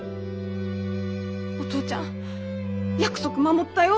「お父ちゃん約束守ったよ」